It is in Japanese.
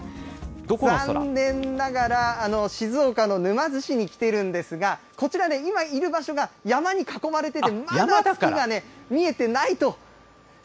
残念ながら、静岡の沼津市に来ているんですが、こちら今いる場所が山に囲まれてて、まだ月がね、見えていないと。